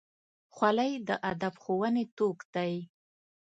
خولۍ د ادب ښوونې توک دی.